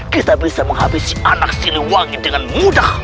kita bisa menghabisi anak siliwangi dengan mudah